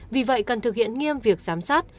vì vậy cần thực hiện nghiêm việc giám sát